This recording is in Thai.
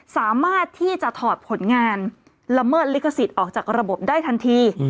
สามารถที่จะถอดผลงานละเมิดลิขสิทธิ์ออกจากระบบได้ทันที